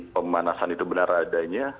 pemanasan itu benar adanya